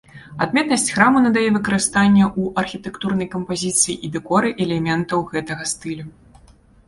Адметнасць храму надае выкарыстанне ў архітэктурнай кампазіцыі і дэкоры элементаў гэтага стылю.